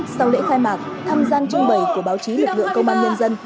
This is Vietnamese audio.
sau lễ khai mạc thăm gian trưng bẩy của báo chí lực lượng công an nhân dân